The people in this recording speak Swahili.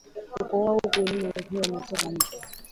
Kukohoa huku ulimi ukiwa umetoka nje